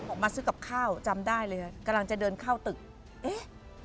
ออกมาซื้อกับข้าวจำได้เลยกำลังจะเดินเข้าตึกเอ๊ะ